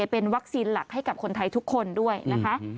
เป็นวัคซีนหลักให้กับคนไทยทุกคนด้วยนะคะ